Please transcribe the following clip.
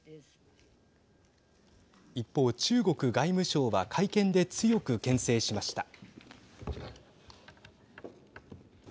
一方、中国外務省は会見で強くけん制しました。